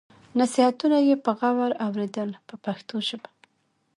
نصیحتونه یې په غور اورېدل په پښتو ژبه.